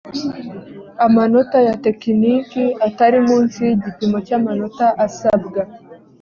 amanota ya tekiniki atari munsi y’igipimo cy’amanota asabwa